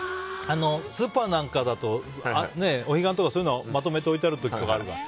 スーパーなんかだとお彼岸とかだとそういうのまとめて置いてある時とかあるから。